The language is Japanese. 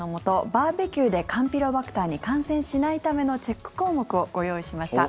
バーベキューでカンピロバクターに感染しないためのチェック項目をご用意しました。